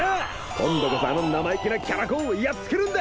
今度こそあの生意気なキャラ公をやっつけるんだ！